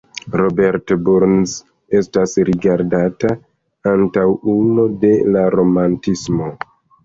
Robert Burns estas rigardata antaŭulo de la romantismo.